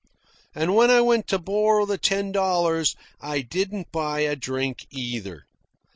And when I went to borrow the ten dollars I didn't buy a drink, either.